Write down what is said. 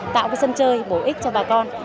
tạo cái sân chơi bổ ích cho bà con